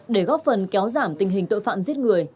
để góp phần kéo giảm tình hình tội phạm giết người